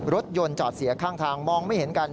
รถยนต์จอดเสียข้างทางมองไม่เห็นกัน